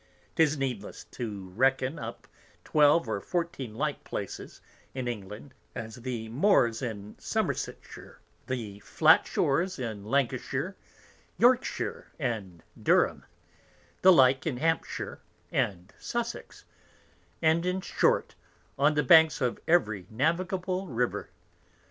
'Tis needless to reckon up twelve or fourteen like Places in England, as the Moores in Somersetshire, the Flat shores in Lancashire, Yorkshire, and Durham, the like in Hampshire and Sussex; and in short, on the Banks of every Navigable River.